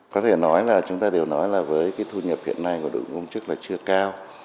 có thể nói là chúng ta đều nói là với cái thu nhập hiện nay của đội công chức là chưa cao